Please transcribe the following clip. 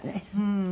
うん。